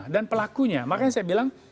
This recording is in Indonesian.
dan pelakunya makanya saya bilang